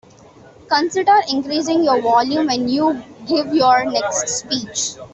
Consider increasing your volume when you give your next speech.